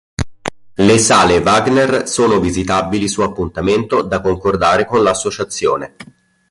Le Sale Wagner sono visitabili su appuntamento da concordare con l'Associazione.